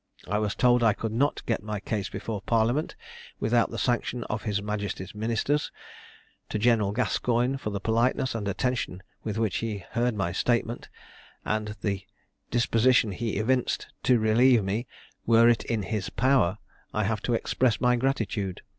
I was told I could not get my case before parliament without the sanction of his majesty's ministers. To General Gascoigne, for the politeness and attention with which he heard my statement, and the disposition he evinced to relieve me were it in his power, I have to express my gratitude.